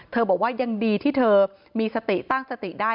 บอกว่ายังดีที่เธอมีสติตั้งสติได้